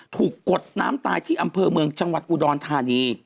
กดน้ำตายที่อำเภอเมืองจังหวัดอุดรธานี